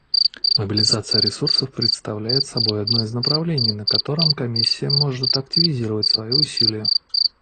Мобилизация ресурсов представляет собой одно из направлений, на котором Комиссия может активизировать свои усилия.